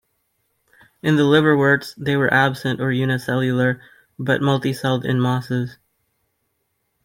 In the liverworts, they are absent or unicellular, but multicelled in mosses.